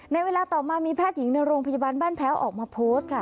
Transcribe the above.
ในเวลาต่อมามีแพทย์หญิงในโรงพยาบาลบ้านแพ้วออกมาโพสต์ค่ะ